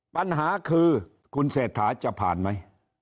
ปัญหาคือคุณเศรษฐาจะผ่านไหม